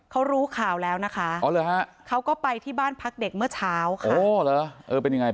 เค้ารู้ข่าวแล้วนะคะเค้าก็ไปที่บ้านพักเด็กเมื่อเช้าค่ะ